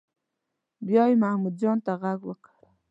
بیا یې محمود جان ته غږ وکړ.